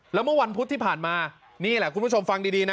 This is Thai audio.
แล้วเมื่อวันพุธที่ผ่านมานี่แหละคุณผู้ชมฟังดีนะ